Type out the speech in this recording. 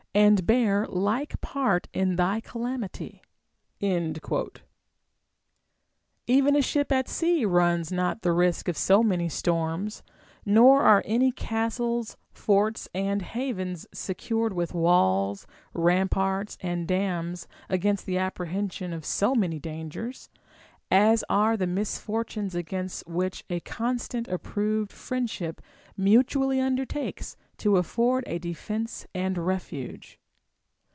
And hear like part of thy calamity. Even a ship at sea runs not the risk of so many storms, nor are any castles, forts, and havens secured Avith walls, ramparts, and dams against the apprehension of so many dangers, as are the misfortunes against Avliich a constant approved friendship mutually undertakes to afford a de fence and refuge.